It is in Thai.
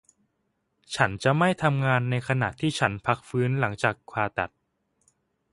ฉันจะไม่ทำงานในขณะที่ฉันพักฟื้นหลังการผ่าตัด